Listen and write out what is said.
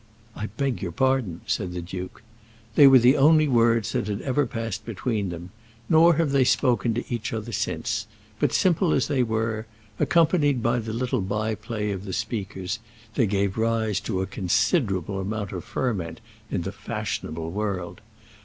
"I beg your pardon," said the duke. They were the only words that had ever passed between them, nor have they spoken to each other since; but simple as they were, accompanied by the little by play of the speakers, they gave rise to a considerable amount of ferment in the fashionable world.